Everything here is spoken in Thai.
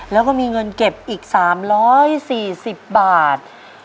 แล้วก็มีเงินเก็บอีก๓๔๐บาท